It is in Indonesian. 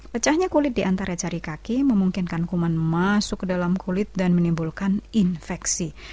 pecahnya kulit di antara jari kaki memungkinkan kuman masuk ke dalam kulit dan menimbulkan infeksi